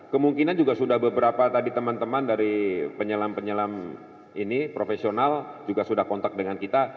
kemungkinan juga sudah beberapa tadi teman teman dari penyelam penyelam ini profesional juga sudah kontak dengan kita